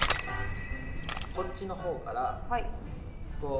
こっちの方からこうすくって